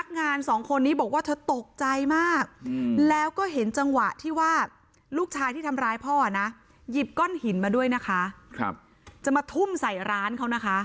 งานสองคนนี้บอกว่าเธอตกใจมากแล้วก็เห็นจังหวะที่ว่าลูกชายที่ทำร้ายพ่อนะหยิบก้อนหินมาด้วยนะคะจะมาทุ่มใส่ร้านเขานะคะ